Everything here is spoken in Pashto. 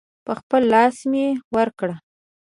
په خپل لاس مې ورکړ.